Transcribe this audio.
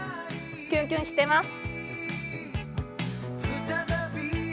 キュンキュンしてます。